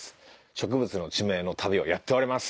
植物の地名の旅をやっております。